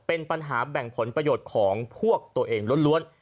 เป็นปัญหาแบ่งผลประโยชน์ของพวกตัวเองล้วน